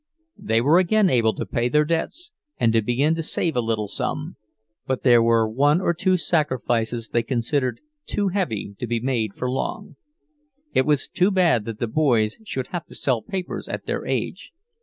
They were again able to pay their debts and to begin to save a little sum; but there were one or two sacrifices they considered too heavy to be made for long—it was too bad that the boys should have to sell papers at their age.